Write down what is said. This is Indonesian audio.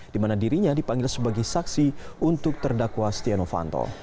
di mana dirinya dipanggil sebagai saksi untuk terdakwa stiano fanto